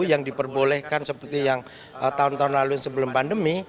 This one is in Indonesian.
yang diperbolehkan seperti yang tahun tahun lalu sebelum pandemi